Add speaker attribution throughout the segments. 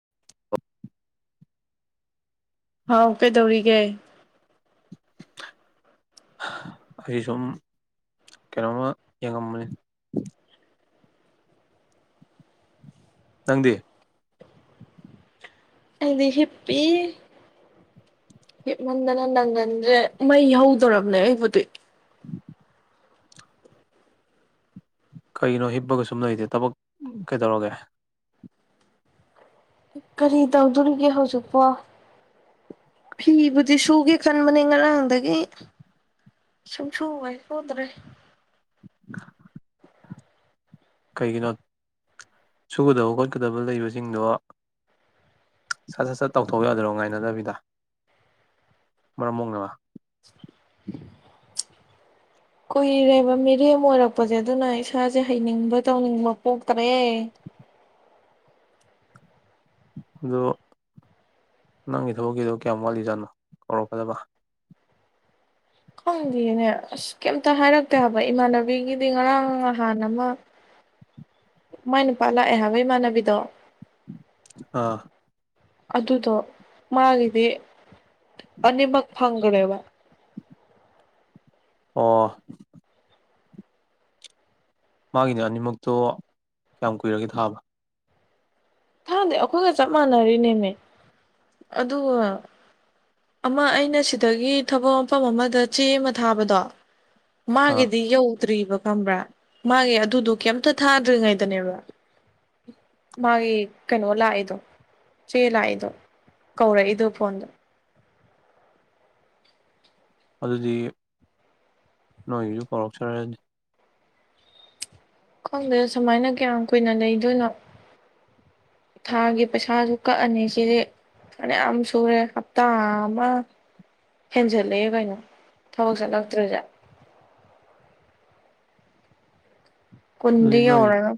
Speaker 1: [unintelligible]
Speaker 2: ꯍꯥꯎ ꯀꯩꯗꯧꯔꯤꯒꯦ꯫
Speaker 1: ꯍ ꯑꯩ ꯁꯨꯝ ꯀꯩꯅꯣꯝꯃ ꯌꯦꯡꯉꯝꯕꯅꯤ꯫ ꯅꯪꯗꯤ꯫
Speaker 2: ꯑꯩꯗꯤ ꯍꯤꯞꯄꯤ ꯍꯤꯞꯃꯟꯗꯅ ꯅꯪꯒꯟꯖꯦ ꯃꯩ ꯍꯧꯗꯣꯔꯕꯅꯦ ꯑꯩꯕꯨꯗꯤ꯫
Speaker 1: ꯀꯩꯒꯤꯅꯣ ꯍꯤꯞꯄꯒ ꯁꯨꯝ ꯂꯩꯖꯦ ꯊꯕꯛ ꯀꯩꯗꯧꯔꯒꯦ
Speaker 2: ꯀꯔꯤ ꯇꯧꯗꯣꯔꯤꯒꯦ ꯍꯧꯖꯤꯛꯄꯣ ꯐꯤꯕꯨꯗꯤ ꯁꯨꯒꯦ ꯈꯟꯕꯅꯦ ꯉꯔꯥꯡꯗꯒꯤ ꯁꯨꯡꯁꯨ ꯍꯦꯛ ꯁꯨꯗ꯭ꯔꯦ꯫
Speaker 1: [unintelligible] ꯀꯩꯒꯤꯅꯣ ꯁꯨꯒꯗꯕ ꯈꯣꯠꯀꯗꯕ ꯂꯩꯕꯁꯤꯡꯗꯣ ꯁꯠ ꯁꯠ ꯁꯠ ꯇꯧꯊꯣꯛ ꯌꯥꯗꯔꯣ ꯉꯥꯏꯅꯗꯕꯤꯗ ꯃꯔꯝꯃꯣꯛꯅꯕ꯫
Speaker 2: ꯀꯨꯏꯔꯦꯕ ꯃꯤꯔꯦꯝ ꯑꯣꯏꯔꯛꯄꯖꯦ ꯑꯗꯨꯅ ꯏꯁꯥꯖꯦ ꯍꯩꯅꯤꯡꯕ ꯇꯧꯅꯤꯡꯕ ꯄꯣꯛꯇꯔꯦ꯫
Speaker 1: ꯑꯗꯨ ꯅꯪꯒꯤ ꯊꯕꯛꯀꯤꯗꯣ ꯀꯌꯥꯝ ꯋꯥꯠꯂꯤꯖꯥꯠꯅꯣ ꯀꯧꯔꯛꯀꯗꯕ꯫
Speaker 2: ꯈꯪꯗꯦꯅꯦ ꯑꯁ ꯀꯩꯝꯇ ꯍꯥꯏꯔꯛꯇꯦ ꯍꯥꯏꯕ ꯏꯃꯥꯟꯅꯕꯤꯒꯤꯗꯤ ꯉꯔꯥꯡ ꯉꯍꯥꯟ ꯑꯃ ꯃꯥꯏ ꯅꯨꯄꯥ ꯂꯥꯛꯑꯦ ꯍꯥꯏꯕ ꯏꯃꯥꯟꯅꯕꯤꯗꯣ꯫
Speaker 1: ꯑꯥ꯫
Speaker 2: ꯑꯗꯨꯗꯣ ꯃꯥꯒꯤꯗꯤ ꯑꯅꯤꯃꯛ ꯐꯪꯒꯔꯦꯕ
Speaker 1: ꯑꯣ꯫ ꯃꯥꯒꯤꯅ ꯑꯅꯤꯃꯛꯇꯣ ꯀꯌꯥꯝ ꯀꯨꯏꯔꯒꯦ ꯊꯥꯕ꯫
Speaker 2: ꯊꯥꯏꯟꯗꯤ ꯑꯩꯈꯣꯏꯒ ꯆꯞ ꯃꯥꯟꯅꯔꯤꯅꯦꯃꯤ ꯑꯗꯨꯒ ꯑꯃ ꯑꯩꯅ ꯁꯤꯗꯒꯤ ꯊꯕꯛ ꯃꯐꯝ ꯑꯃꯗ ꯆꯦ ꯑꯃ ꯊꯥꯕꯗꯣ
Speaker 1: ꯑꯥ
Speaker 2: ꯃꯥꯒꯤꯗꯤ ꯌꯧ ꯇ꯭ꯔꯤꯕ ꯈꯪꯕ꯭ꯔꯥ ꯃꯥꯒꯤ ꯑꯗꯨꯗꯣ ꯀꯩꯝꯇ ꯊꯥꯗ꯭ꯔꯤꯉꯩꯗꯅꯦꯕ ꯃꯥꯒꯤ ꯀꯩꯅꯣ ꯂꯥꯛꯏꯗꯣ ꯆꯦ ꯂꯥꯛꯏꯗꯣ ꯀꯧꯔꯛꯏꯗꯣ ꯐꯣꯟꯗ
Speaker 1: ꯑꯗꯨꯗꯤ ꯅꯣꯏꯒꯤꯁꯨ ꯀꯧꯔꯛꯆꯔꯅꯤ꯫
Speaker 2: ꯈꯪꯗꯦꯗ ꯁꯨꯃꯥꯏꯅ ꯀꯌꯥꯝ ꯀꯨꯏꯅ ꯂꯩꯗꯣꯏꯅꯣ ꯊꯥꯒꯤ ꯄꯩꯁꯥꯁꯨ ꯀꯛꯑꯅꯤ ꯁꯤꯗꯤ ꯐꯅꯌꯥꯝ ꯁꯨꯔꯦ ꯍꯞꯇꯥ ꯑꯃ ꯍꯦꯟꯖꯜꯂꯦ ꯀꯩꯅꯣ ꯊꯕꯛ ꯆꯠꯂꯛꯇ꯭ꯔꯤꯖꯦ꯫ [unintelligible] ꯀꯨꯟꯗꯤ
Speaker 1: ꯑꯗꯨꯗꯤ ꯅꯣꯏ
Speaker 2: ꯌꯧꯔꯔꯣꯢ꯫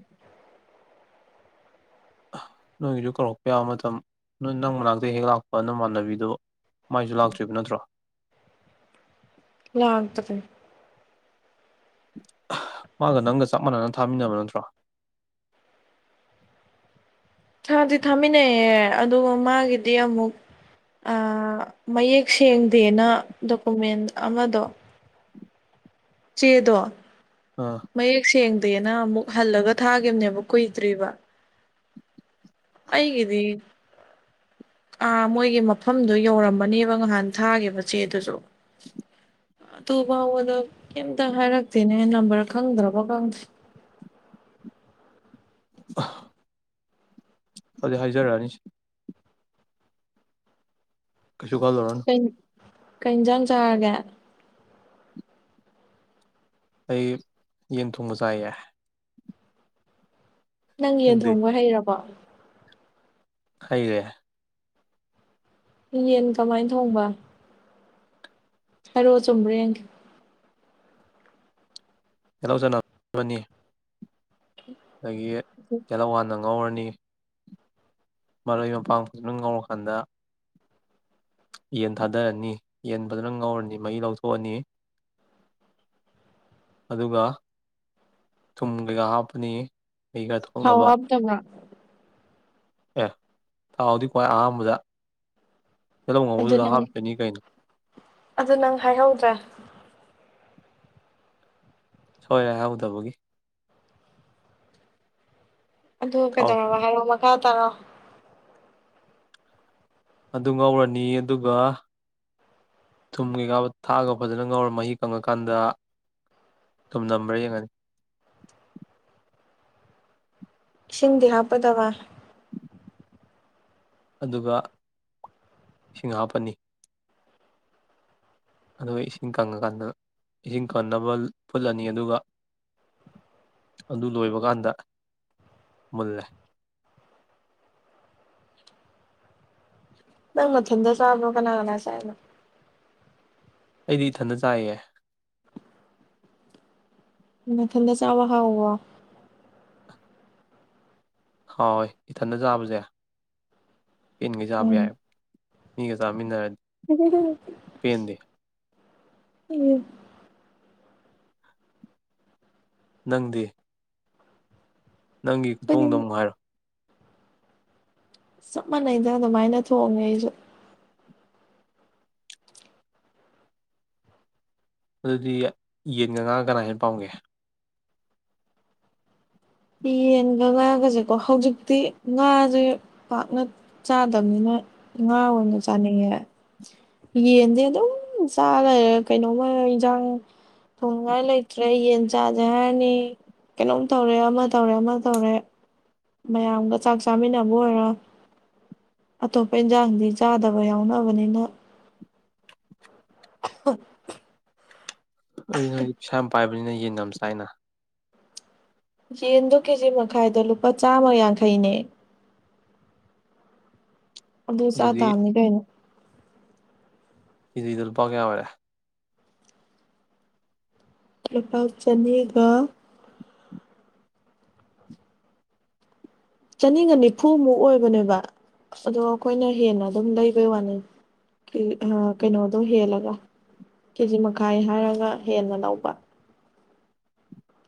Speaker 1: ꯑꯍ ꯅꯣꯏꯒꯤꯗꯨ ꯀꯧꯔꯛꯄ ꯌꯥꯕ ꯃꯇꯝ ꯅ ꯅꯪ ꯃꯅꯥꯛꯇ ꯍꯦꯛ ꯂꯥꯛꯄ ꯅꯃꯥꯟꯅꯕꯤꯗꯣ ꯃꯥꯏꯁꯨ ꯂꯥꯛꯇ꯭ꯔꯤꯕ ꯅꯠꯇ꯭ꯔꯣ꯫
Speaker 2: ꯂꯥꯛꯇꯔꯤ꯫
Speaker 1: ꯃꯥꯒ ꯅꯪꯒ ꯆꯞ ꯃꯥꯟꯅꯅ ꯊꯥꯃꯤꯟꯅꯕ ꯅꯠꯇ꯭ꯔꯣ?
Speaker 2: ꯊꯥꯗꯤ ꯊꯥꯃꯤꯟꯅꯩꯌꯦ ꯑꯗꯨꯒ ꯃꯥꯒꯤꯗꯤ ꯑꯃꯨꯛ ꯑ ꯃꯌꯦꯛ ꯁꯦꯡꯗꯦꯅ ꯗꯣꯀꯨꯃꯦꯟ ꯑꯃꯗꯣ ꯆꯦꯗꯣ
Speaker 1: ꯑꯥ
Speaker 2: ꯃꯥꯌꯦꯛ ꯁꯦꯡ ꯇꯦꯅ ꯑꯃꯨꯛ ꯍꯜꯂꯒ ꯊꯥꯒꯤꯝꯅꯦꯕ ꯀꯨꯏꯗ꯭ꯔꯤꯕ꯫ ꯑꯩꯒꯤꯗꯤ ꯑ ꯃꯣꯏꯒꯤ ꯃꯐꯝꯗꯨ ꯌꯧꯔꯝꯃꯅꯤꯕ ꯉꯍꯥꯟ ꯊꯥꯒꯤꯕ ꯆꯦꯗꯨꯖꯨ ꯑꯗꯨ ꯕꯥꯎꯕꯗꯣ ꯀ꯭ꯌꯝꯇ ꯍꯥꯏꯔꯛꯇꯦꯅꯦ ꯅꯝꯕꯔ ꯈꯪꯗ꯭ꯔꯕ ꯀꯪꯗꯦ꯫
Speaker 1: ꯑꯍ ꯑꯗꯨꯗꯤ ꯍꯥꯏꯖꯔꯑꯅꯤꯁꯦ꯫ ꯀꯩꯁꯨ ꯈꯜꯂꯨꯔꯅꯨ꯫
Speaker 2: ꯀꯩ ꯌꯦꯟꯖꯥꯡ ꯆꯥꯔꯒꯦ?
Speaker 1: ꯑꯩ ꯌꯦꯟ ꯊꯣꯡꯕ ꯆꯥꯏ ꯌꯦ꯫
Speaker 2: ꯅꯪ ꯌꯦꯟ
Speaker 1: ꯅꯪꯗꯤ
Speaker 2: ꯊꯣꯡꯕ ꯍꯩꯔꯕꯣ?
Speaker 1: ꯍꯩꯔꯦ꯫
Speaker 2: ꯌꯦꯟ ꯀꯃꯥꯏꯟ ꯊꯣꯡꯕ? ꯍꯥꯏꯔꯛꯑꯣ ꯆꯨꯝꯕ꯭ꯔ ꯌꯦꯡꯒꯦ꯫
Speaker 1: ꯇꯦꯂꯧ ꯆꯅꯝ [unintelligible] ꯑꯗꯒꯤ ꯇꯦꯂꯧ ꯍꯥꯟꯅ ꯉꯧꯔꯅꯤ꯫ ꯃꯔꯣꯏ ꯃꯄꯥꯡ ꯐꯖꯅ ꯉꯧꯔꯀꯥꯟꯗ ꯌꯦꯟ ꯊꯥꯗꯔꯅꯤ ꯌꯦꯟ ꯐꯖꯅ ꯉꯧꯔꯅꯤ ꯃꯍꯤ ꯂꯧꯊꯣꯛꯑꯅꯤ ꯑꯗꯨꯒ ꯊꯨꯝ ꯀꯩꯀꯥ ꯍꯥꯞꯄꯅꯤ꯫ ꯃꯍꯤ ꯈꯔ
Speaker 2: ꯊꯥꯎ
Speaker 1: ꯊꯣꯛꯅꯕ
Speaker 2: ꯍꯥꯞꯇꯕ꯭ꯔꯥ꯫
Speaker 1: ꯑꯦ ꯊꯥꯎꯗꯤ ꯈ꯭ꯋꯥꯏ ꯑꯍꯥꯥꯝꯕꯗ꯫ ꯇꯦꯂꯧ
Speaker 2: ꯑꯗꯨ
Speaker 1: ꯉꯧꯕꯗꯨꯗ
Speaker 2: ꯅꯪ
Speaker 1: ꯍꯥꯞꯇꯣꯏꯅꯤ ꯀꯩꯅꯣ꯫
Speaker 2: ꯑꯗꯨ ꯅꯪ ꯍꯥꯏꯍꯧꯗ꯭ꯔ
Speaker 1: ꯁꯣꯏꯔꯦ ꯍꯥꯏꯍꯧꯗꯕꯒꯤ꯫
Speaker 2: ꯑꯗꯨꯒ
Speaker 1: ꯊꯥꯎ
Speaker 2: ꯀꯩꯗꯧꯔꯕ ꯍꯥꯏꯔꯑꯣ ꯃꯛ [unintelligible]
Speaker 1: ꯑꯗꯨ ꯉꯧꯔꯅꯤ ꯑꯗꯨꯒ ꯊꯨꯝ ꯀꯩꯀꯥ ꯊꯥꯛꯑꯒ ꯐꯖꯅ ꯉꯧꯔ ꯃꯍꯤ ꯀꯪꯉꯀꯥꯟꯗ ꯊꯨꯝ ꯅꯝꯕ꯭ꯔꯥ ꯌꯦꯡꯉꯅꯤ꯫
Speaker 2: ꯏꯁꯤꯡꯗꯤ ꯍꯥꯞꯄꯣꯏꯗꯕ꯫
Speaker 1: ꯑꯗꯨꯒ ꯏꯁꯤꯡ ꯍꯥꯞꯄꯅꯤ꯫ ꯑꯗꯨꯒ ꯏꯁꯤꯡ ꯀꯪꯉꯀꯥꯟꯗ ꯏꯁꯤꯡ ꯀꯟꯅꯕ ꯐꯨꯠꯂꯅꯤ ꯑꯗꯨꯒ ꯑꯗꯨ ꯂꯣꯏꯕ ꯀꯥꯟꯗ ꯃꯨꯜꯂꯦ꯫
Speaker 2: ꯅꯪ ꯃꯊꯟꯗ ꯆꯥꯕ꯭ꯔꯣ ꯀꯅꯥ ꯀꯅꯥ ꯆꯥꯏꯅꯣ꯫
Speaker 1: ꯑꯩꯗꯤ ꯏꯊꯟꯗ ꯆꯥꯏꯌꯦ꯫
Speaker 2: ꯅꯊꯟꯗ ꯆꯥꯕ ꯍꯥꯎꯕ꯭ꯔꯣ꯫
Speaker 1: ꯍꯥꯎꯌꯦ ꯏꯊꯟꯗ ꯆꯥꯕꯁ ꯄꯦꯟꯒꯩ ꯆꯥꯕ
Speaker 2: ꯎꯝ
Speaker 1: ꯌꯥꯏ꯫ ꯃꯤꯒ ꯆꯃꯤꯟꯅꯔ
Speaker 2: [unintelligible] ꯎꯝ꯫
Speaker 1: ꯅꯪꯗꯤ꯫ ꯅꯪꯒꯤ ꯈꯨꯊꯣꯡꯗꯣ ꯑꯃꯨꯛ ꯍꯥꯏꯔꯣ꯫
Speaker 2: ꯆꯞ ꯃꯥꯟꯅꯩꯗ ꯑꯗꯨꯃꯥꯏꯅ ꯊꯣꯡꯉꯦ ꯑꯩꯖꯨ꯫
Speaker 1: ꯑꯗꯨꯗꯤ ꯌꯦꯟꯒ ꯉꯥꯒ ꯀꯅꯥꯅ ꯍꯦꯟ ꯄꯥꯝꯒꯦ꯫
Speaker 2: ꯌꯦꯟꯒ ꯉꯥꯒꯁꯦꯀꯣ ꯍꯧꯖꯤꯛꯇꯤ ꯉꯥꯖꯦ ꯄꯥꯛꯅ ꯆꯥꯗꯝꯅꯤꯅ ꯉꯥ ꯑꯣꯏꯅ ꯆꯥꯅꯤꯡꯉꯦ꯫ ꯌꯦꯟꯗꯤ ꯑꯗꯨꯝ ꯆꯥ ꯂꯩꯔꯦ ꯀꯩꯅꯣꯝꯃ ꯏꯟꯖꯥꯡ ꯊꯣꯡꯅꯤꯉꯥꯏ ꯂꯩꯇ꯭ꯔꯦ ꯌꯦꯟ ꯆꯥꯥꯖꯦ ꯍꯥꯏꯔꯅꯤ ꯀꯩꯅꯣꯝ ꯇꯧꯔꯦ ꯑꯃ ꯇꯧꯔꯦ ꯑꯃ ꯇꯧꯔꯦ꯫ ꯃꯌꯥꯝꯒ ꯆꯥꯛ ꯆꯥꯃꯤꯟꯅꯕ ꯑꯣꯏꯔꯣ ꯑꯇꯣꯞꯄ ꯏꯟꯖꯥꯡꯗꯤ ꯆꯥꯗꯕ ꯌꯥꯎꯅꯕꯅꯤꯅ [unintelligible]
Speaker 1: ꯑꯗꯤ ꯅꯣꯏꯗꯤ ꯄꯩꯁꯥ ꯌꯥꯝ ꯄꯥꯏꯕ꯫ [unintelligible] ꯌꯦꯟꯒ ꯌꯥꯝ ꯆꯥꯏꯅ
Speaker 2: ꯌꯦꯟꯗꯨ ꯀꯦꯖꯤ ꯃꯈꯥꯏꯗ ꯂꯨꯄꯥ ꯆꯥꯃ ꯌꯥꯡꯈꯩꯅꯦ꯫ ꯑꯗꯨ ꯆꯥ
Speaker 1: ꯑꯗꯨꯗꯤ
Speaker 2: ꯇꯥꯝꯅꯤ ꯀꯩꯅꯣ꯫
Speaker 1: ꯀꯦꯖꯤꯗ ꯂꯨꯄꯥ ꯀꯌꯥ ꯑꯣꯏꯔꯦ꯫
Speaker 2: ꯂꯨꯄꯥ ꯆꯅꯤꯒ ꯆꯅꯤꯒ ꯅꯤꯐꯨꯃꯨꯛ ꯑꯣꯏꯕꯅꯦꯕ ꯑꯗꯣ ꯑꯈꯣꯏꯅ ꯍꯦꯟꯅ ꯑꯗꯨꯝ ꯂꯩꯕꯩ ꯋꯥꯅꯦ ꯀꯦ ꯑꯥ ꯀꯩꯅꯣꯗꯣ ꯍꯦꯜꯂꯒ ꯀꯦꯖꯤ ꯃꯈꯥꯏ ꯍꯥꯏꯔꯒ ꯍꯦꯟꯅ ꯂꯧꯕ꯫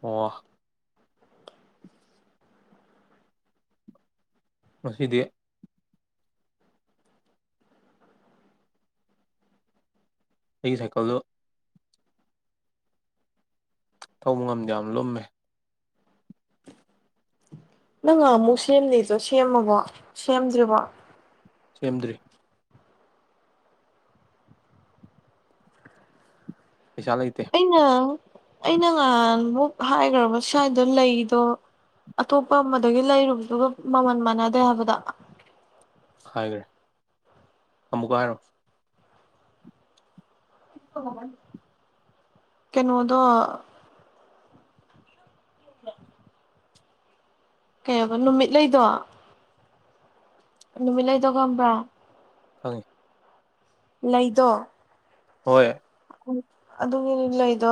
Speaker 1: ꯋꯥ꯫ ꯉꯁꯤꯗꯤ ꯑꯩꯒꯤ ꯁꯥꯏꯀꯜꯗꯣ ꯊꯧꯕ ꯉꯝꯗꯦ ꯌꯥꯝ ꯂꯨꯝꯃꯦ꯫
Speaker 2: ꯅꯪ ꯉꯥꯍꯟꯃꯨꯛ ꯁꯦꯝꯅꯤꯗꯣ ꯁꯦꯝꯃꯕꯣ ꯁꯦꯝꯗ꯭ꯔꯤꯕꯣ꯫
Speaker 1: ꯁꯦꯝꯗ꯭ꯔꯤ꯫ ꯄꯩꯁꯥ ꯂꯩꯇꯦ
Speaker 2: ꯑꯩꯅ ꯑꯩꯅ ꯉꯍꯥꯟꯃꯨꯛ ꯍꯥꯏꯈ꯭ꯔꯕ ꯁ꯭ꯋꯥꯏꯗ ꯂꯩꯗꯣ ꯑꯇꯣꯞꯄ ꯑꯃꯗꯒꯤ ꯂꯩꯔꯨꯕꯗꯨꯒ ꯃꯃꯜ ꯃꯥꯟꯅꯗꯦ ꯍꯥꯏꯕꯗꯣ
Speaker 1: ꯍꯥꯏꯒꯔ꯭ꯦ ꯑꯃꯨꯀ ꯍꯥꯏꯔꯣ
Speaker 2: [unintelligible] ꯀꯩꯅꯣꯗꯣ [inaudible] ꯀꯩꯑꯕ ꯅꯨꯃꯤꯠꯂꯩꯗꯣ ꯅꯨꯃꯤꯠꯂꯩꯗꯣ ꯈꯪꯕ꯭ꯔꯥ
Speaker 1: ꯈꯪꯉꯤ
Speaker 2: ꯂꯩꯗꯣ [unintelligible]
Speaker 1: ꯍꯣꯏ
Speaker 2: ꯑꯗꯨꯒꯤ ꯂꯩꯗꯣ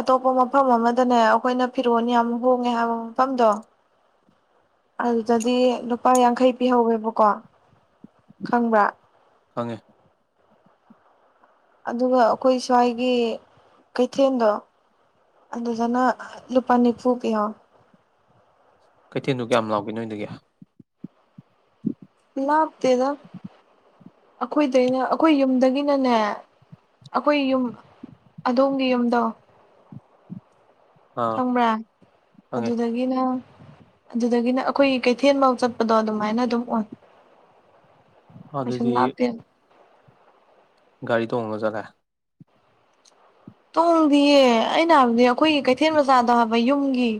Speaker 2: ꯑꯇꯣꯞꯄ ꯃꯐꯝ ꯑꯃꯗꯅꯦ ꯑꯈꯣꯏꯅ ꯐꯤꯔꯣꯜ ꯌꯥꯝ ꯍꯣꯡꯉꯦ ꯍꯥꯏꯕ ꯃꯐꯝꯗꯣ ꯑꯗꯨꯗꯗꯤ ꯂꯨꯄꯥ ꯌꯥꯡꯈꯩ ꯄꯤꯍꯧꯋꯦꯕꯀꯣ ꯈꯪꯕ꯭ꯔꯥ
Speaker 1: ꯈꯪꯉꯦ
Speaker 2: ꯑꯗꯨꯒ ꯑꯈꯣꯏ ꯁ꯭ꯋꯥꯏꯒꯤ ꯀꯩꯊꯦꯜꯗꯣ ꯑꯗꯨꯗꯅ ꯂꯨꯄꯥ ꯅꯤꯐꯨ ꯄꯤ [unintelligible]
Speaker 1: ꯀꯩꯊꯦꯜꯗꯨ ꯀꯌꯥꯝ ꯂꯥꯞꯀꯦ ꯅꯣꯏꯗꯒꯤ
Speaker 2: ꯂꯥꯞꯇꯦꯗ ꯑꯈꯣꯏꯗꯩꯅ ꯑꯈꯣꯏ ꯌꯨꯝꯗꯒꯤꯅꯅꯦ ꯑꯈꯣꯏ ꯌꯨꯝ ꯑꯗꯣꯝꯒꯤ ꯌꯨꯝꯗꯣ
Speaker 1: ꯑꯥ
Speaker 2: ꯈꯪꯕ꯭ꯔꯥ
Speaker 1: ꯈꯪꯉꯦ
Speaker 2: ꯑꯗꯨꯗꯒꯤꯅ ꯑꯗꯨꯗꯒꯤꯅ ꯑꯈꯣꯏꯒꯤ ꯀꯩꯊꯦꯜꯐꯧ ꯆꯠꯄꯗꯣ ꯑꯗꯨꯃꯥꯏꯅ ꯑꯗꯨꯝ ꯑꯣꯏ ꯀꯩꯁꯨꯝ
Speaker 1: ꯑꯗꯗꯤ
Speaker 2: ꯂꯥꯞꯇꯦ
Speaker 1: ꯒꯥꯔꯤ ꯇꯣꯉꯒ ꯆꯠꯂꯦ
Speaker 2: ꯇꯣꯡꯗꯤꯌꯦ ꯑꯩꯅ ꯍꯥꯏꯕꯗꯤ ꯑꯩꯈꯣꯏꯒꯤ ꯀꯩꯊꯦꯜ ꯃꯆꯥꯗꯣ ꯍꯥꯏꯕ ꯌꯨꯝꯒꯤ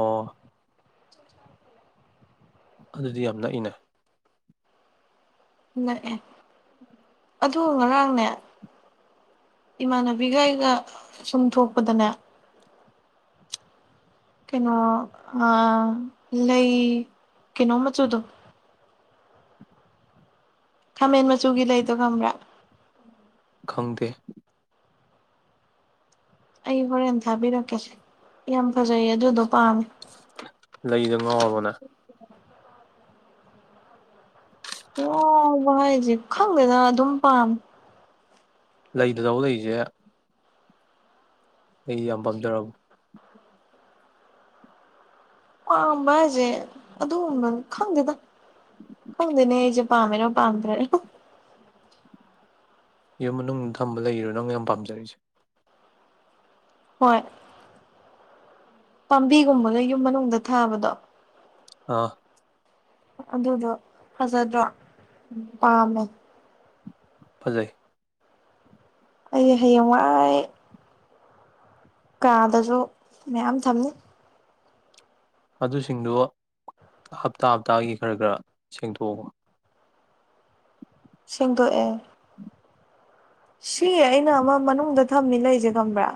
Speaker 1: ꯑꯣ ꯑꯗꯨꯗꯤ ꯌꯥꯝ ꯅꯛꯏꯅ
Speaker 2: ꯅꯛꯑꯦ ꯑꯗꯨ ꯉꯔꯥꯡꯅꯦ ꯏꯃꯥꯟꯅꯕꯤꯒ ꯑꯩꯒ ꯁꯨꯝ ꯊꯣꯛꯄꯗꯅꯦ ꯀꯩꯅꯣ ꯑꯥ ꯂꯩ ꯀꯩꯅꯣ ꯃꯆꯨꯗꯣ ꯈꯥꯃꯦꯟ ꯃꯆꯨꯒꯤ ꯂꯩꯗꯣ ꯈꯪꯕ꯭ꯔꯥ
Speaker 1: ꯈꯪꯗꯦ
Speaker 2: ꯑꯩ ꯍꯣꯔꯦꯟ ꯊꯥꯕꯤꯔꯛꯀꯦꯁꯦ ꯌꯥꯝ ꯐꯖꯩꯌꯦ ꯑꯗꯨꯗꯣ ꯄꯥꯝꯃꯦ
Speaker 1: ꯂꯩꯗ ꯉꯥꯎꯔꯕꯣ ꯅꯪ
Speaker 2: ꯉꯥꯎꯕ ꯍꯥꯏꯁꯦ ꯈꯪꯗꯦꯗ ꯑꯗꯨꯝ ꯄꯥꯝꯃꯤ
Speaker 1: ꯂꯩꯗ ꯊꯧ ꯂꯩꯖꯦ ꯑꯩ ꯌꯥꯝ ꯄꯥꯝꯖꯕ꯭ꯔ
Speaker 2: ꯄꯥꯝꯕ ꯍꯥꯏꯁꯦ ꯑꯗꯨꯒꯨꯝꯕ ꯈꯪꯗꯦꯗ ꯈꯪꯗꯦꯅꯦ ꯑꯩꯁꯦ ꯄꯥꯝꯃꯦꯔꯥ ꯄꯥꯝꯗ꯭ꯔꯦꯔ
Speaker 1: ꯌꯨꯝ ꯃꯅꯨꯡꯗ ꯊꯝꯕ ꯂꯩꯔꯨ ꯅꯪꯅ ꯌꯥꯝ ꯄꯥꯝꯖꯔꯤꯁꯦ
Speaker 2: ꯍꯣꯏ ꯄꯥꯝꯕꯤꯒꯨꯝꯕꯒ ꯌꯨꯝ ꯃꯅꯨꯡꯗ ꯊꯥꯕꯗꯣ
Speaker 1: ꯑꯥ
Speaker 2: ꯑꯗꯨꯗꯣ ꯐꯖꯗ꯭ꯔꯣ ꯄꯥꯝꯃꯦ
Speaker 1: ꯐꯖꯩ
Speaker 2: ꯑꯩ ꯍꯌꯦꯡꯋꯥꯏ ꯀꯥꯗꯁꯨ ꯃꯌꯥꯝ ꯊꯝꯅꯤ
Speaker 1: ꯑꯗꯨꯁꯤꯡꯗꯨ ꯍꯞꯇꯥ ꯍꯞꯇꯥꯒꯤ ꯈꯔ ꯈꯔ ꯁꯦꯡꯗꯣꯛꯑꯣ
Speaker 2: ꯁꯦꯡꯗꯣꯛꯑꯦ ꯁꯤ ꯑꯩꯅ ꯑꯃ ꯃꯅꯨꯡꯗ ꯊꯝꯃꯤ ꯂꯩꯁꯦ ꯈꯝꯕ꯭ꯔꯥ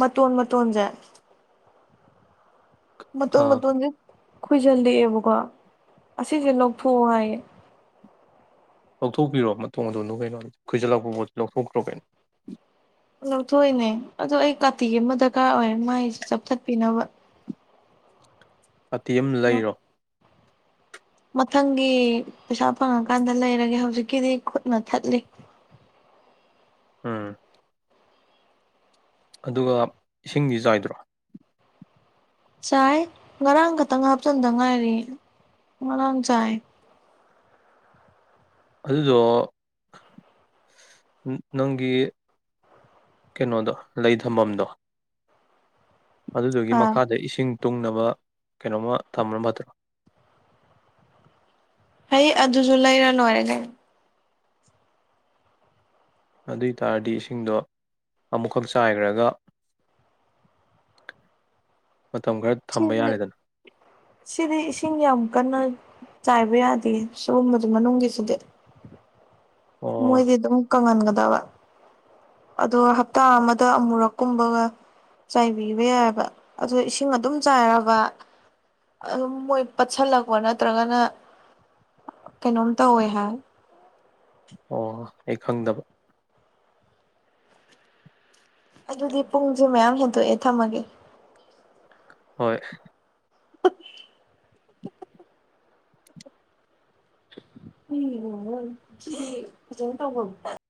Speaker 2: ꯃꯇꯣꯟ ꯃꯇꯣꯟꯖꯦ ꯃꯇꯣꯟ
Speaker 1: ꯑꯥ
Speaker 2: ꯃꯇꯣꯟ ꯖꯤ ꯈꯣꯏꯖꯤꯜꯂꯛꯑꯦꯕꯀꯣ ꯑꯁꯤꯁꯦ ꯂꯧꯊꯣꯛꯑꯣ ꯍꯥꯏꯌꯦ
Speaker 1: ꯂꯧꯊꯣꯛꯄꯤꯔꯣ ꯃꯇꯣꯟ ꯃꯇꯣꯟ ꯗꯣ ꯀꯩꯅꯣ ꯈꯣꯏꯖꯤꯜꯂꯛꯄ ꯂꯧꯊꯣꯛꯈ꯭ꯔꯣ ꯀꯩꯅꯣ
Speaker 2: ꯂꯧꯊꯣꯛꯏꯅꯦ ꯑꯗꯨ ꯑꯩ ꯀꯥꯇꯤ ꯑꯃ ꯗꯔꯀꯥꯔ ꯑꯣꯏ ꯃꯥꯏꯁꯦ ꯆꯥꯊꯠꯄꯤꯅꯕ
Speaker 1: ꯀꯥꯇꯤ ꯑꯃ ꯂꯩꯔꯣ
Speaker 2: ꯃꯊꯪꯒꯤ ꯄꯩꯁꯥ ꯐꯪꯉꯀꯥꯟꯗ ꯂꯩꯔꯒꯦ ꯍꯧꯖꯤꯛꯀꯤꯗꯤ ꯈꯨꯠꯅ ꯊꯠꯂꯤ
Speaker 1: ꯑꯝ ꯑꯗꯨꯒ ꯏꯁꯤꯡꯗꯤ ꯆꯥꯏꯗ꯭ꯔꯣ
Speaker 2: ꯆꯥꯏ ꯉꯔꯥꯡ ꯈꯛꯇꯪ ꯍꯥꯞꯆꯟꯗ ꯉꯥꯏꯔꯤ ꯉꯔꯥꯡ ꯆꯥꯏ
Speaker 1: ꯑꯗꯨꯗꯣ ꯅꯪꯒꯤ ꯀꯩꯅꯣꯗꯣ ꯂꯩ ꯊꯝꯐꯝꯗꯣ ꯑꯗꯨꯗꯨꯒꯤ
Speaker 2: ꯑꯥ
Speaker 1: ꯃꯈꯥꯗ ꯏꯁꯤꯡ ꯇꯨꯡꯅꯕ ꯀꯩꯅꯣꯝꯃ ꯊꯝꯔ ꯃꯇ
Speaker 2: ꯑꯦ ꯑꯗꯨꯁꯨ ꯂꯩꯔ ꯅꯣꯏꯔ ꯀꯩꯅꯣ
Speaker 1: ꯑꯗꯨ ꯑꯣꯏ ꯇꯥꯔꯗꯤ ꯏꯁꯤꯡꯗꯣ ꯑꯃꯨꯛꯈꯛ ꯆꯥꯏꯈ꯭ꯔꯒ ꯃꯇꯝ ꯈꯔ ꯊꯝꯕ
Speaker 2: ꯁꯤꯗꯤ
Speaker 1: ꯌꯥꯔꯦꯗꯅ
Speaker 2: ꯁꯤꯗꯤ ꯏꯁꯤꯡ ꯌꯥꯝ ꯀꯟꯅ ꯆꯥꯏꯕ ꯌꯥꯗꯦ ꯁꯤꯒꯨꯝꯕꯗ ꯃꯅꯨꯡꯒꯤꯁꯤꯗꯤ
Speaker 1: ꯑꯣ
Speaker 2: ꯃꯣꯏꯗꯤ ꯑꯗꯨꯝ ꯀꯪꯍꯟꯒ ꯑꯗꯨꯒ ꯍꯞꯇꯥ ꯑꯃꯗ ꯑꯃꯨꯔꯛꯀꯨꯝꯕꯒ ꯆꯥꯏꯕꯤꯕ ꯌꯥꯏꯕ ꯑꯗꯨ ꯏꯁꯤꯡ ꯑꯗꯨꯝ ꯆꯥꯏꯔꯕ ꯑꯗꯨꯝ ꯃꯣꯏ ꯄꯠꯁꯜꯂꯛꯄ ꯅꯠꯇ꯭ꯔꯒꯅ ꯀꯩꯅꯣꯝ ꯇꯧꯋꯦ ꯍꯥꯏ
Speaker 1: ꯑꯣ ꯑꯩ ꯈꯪꯗꯕ
Speaker 2: ꯑꯗꯨꯗꯤ ꯄꯨꯡꯁꯦ ꯃꯌꯥꯝ ꯍꯦꯟꯗꯣꯛꯑꯦ ꯊꯝꯃꯒꯦ
Speaker 1: ꯍꯣꯏ
Speaker 2: [unintelligible] [inaudible] ꯐꯖꯅ ꯇꯧꯕ